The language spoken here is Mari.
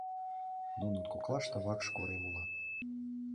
Нунын коклаште Вакш корем уло.